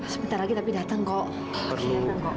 sebentar lagi tapi datang kok